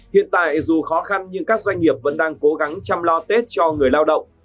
hiện tại dù khó khăn nhưng các doanh nghiệp vẫn đang cố gắng chăm lo tết cho người lao động